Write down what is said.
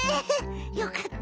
よかった。